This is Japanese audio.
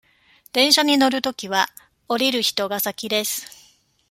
電車に乗るときは、降りる人が先です。